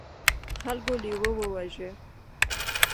خلکو لیوه وواژه.